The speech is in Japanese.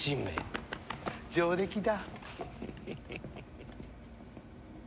上出来だ。